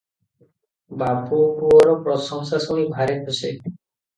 ବାବୁ ପୁଅର ପ୍ରଶଂସା ଶୁଣି ଭାରି ଖୁସି ।